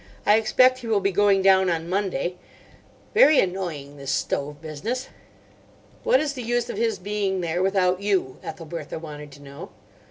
"I expect he will be going down on Monday. Very annoying, this stove business." "What is the use of his being there without you?" Ethelbertha wanted to know.